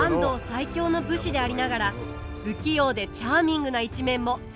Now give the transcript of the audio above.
最強の武士でありながら不器用でチャーミングな一面も。